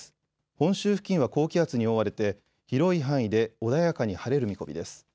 本州付近は高気圧に覆われて広い範囲で穏やかに晴れる見込みです。